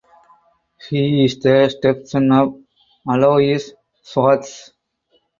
He is the stepson of Alois Schwartz.